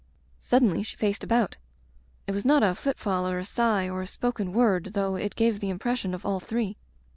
Suddenly she faced about. It was not a footfall or a sigh or a spoken word though it gave the impression of all three.